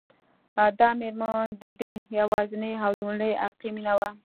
دا مېرمن د ده یوازېنۍ او لومړنۍ حقیقي مینه وه